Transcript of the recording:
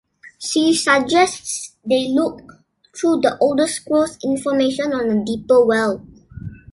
She suggests they look through the oldest scrolls for information on the Deeper Well.